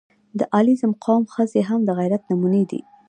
• د علیزي قوم ښځې هم د غیرت نمونې دي.